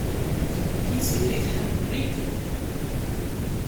Tiziri tḥemmel-ikem.